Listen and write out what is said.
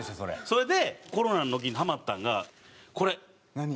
それでコロナの時にハマったんがこれ。